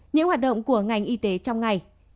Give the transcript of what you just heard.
những hoạt động của ngành y tế trong ngày